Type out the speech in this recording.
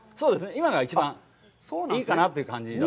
今が一番いいかなという感じだと。